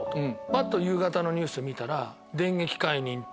ぱっと夕方のニュース見たら。